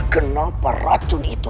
kenapa racun itu